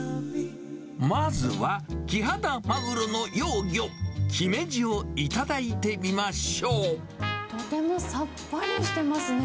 まずは、キハダマグロの幼魚、とてもさっぱりしてますね。